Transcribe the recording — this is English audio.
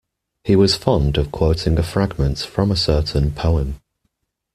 He was fond of quoting a fragment from a certain poem.